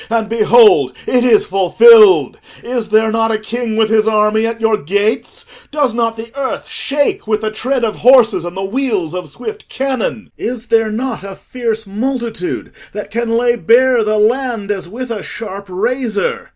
And behold, it is fulfilled! Is there not a king with his army at your gates? Does not the earth shake with the tread of horses and the wheels of swift cannon? Is there not a fierce multitude that can lay bare the land as with a sharp razor?